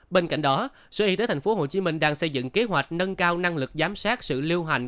bên cạnh đó sở y tế thành phố hồ chí minh đang xây dựng kế hoạch nâng cao năng lực giám sát sự lưu hành